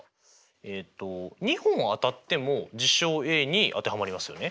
えっと２本当たっても事象Ａに当てはまりますよね？